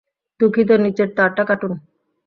দুঃখিত, নিচের তারটা কাটুন!